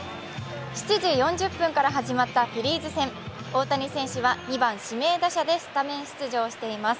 ７時４０分から始まったフィリーズ戦大谷選手は２番・指名打者でスタメン出場しています。